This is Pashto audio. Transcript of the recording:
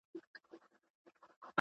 توجه یې له باوړیه شاوخوا وي ..